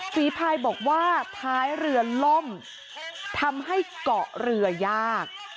ฝีภายบอกว่าท้ายเรือล่มทำให้เกาะเรือยาก